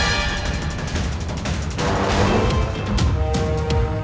semoga apapun tidak terjadi